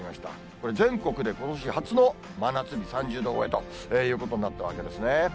これ、全国でことし初の真夏日、３０度超えということになったわけですね。